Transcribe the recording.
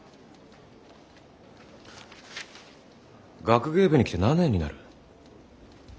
学芸部に来て何年になる？